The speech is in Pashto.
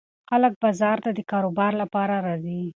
خلک بازار ته د کاروبار لپاره راځي.